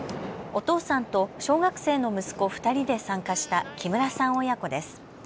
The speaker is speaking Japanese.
お父さんと小学生の息子２人で参加した木村さん親子です。